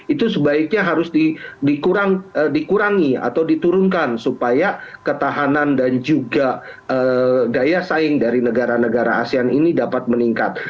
itu sebaiknya harus dikurangi atau diturunkan supaya ketahanan dan juga daya saing dari negara negara asean ini dapat meningkat